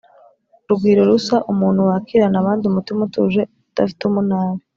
rugwirorusa: umuntu wakirana abandi umutima utuje, udafite umunabi